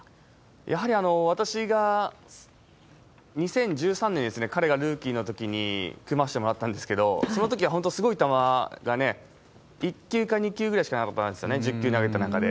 やはり私が２０１３年ですね、彼がルーキーのときに組ましてもらったんですけど、そのときは本当すごい球が、１球か２球ぐらいしかなかったんですよね、１０球投げた中で。